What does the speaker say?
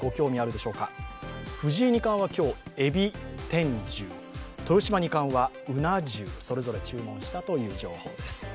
藤井二冠は今日、海老天重、豊島二冠は鰻重をそれぞれ注文したという情報です。